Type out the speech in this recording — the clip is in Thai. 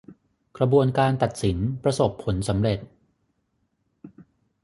กระบวนการตัดสินประสบผลสำเร็จ